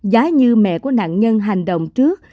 giá như mẹ của nạn nhân hành động trước